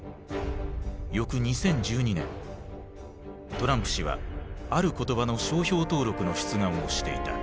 翌２０１２年トランプ氏はある言葉の商標登録の出願をしていた。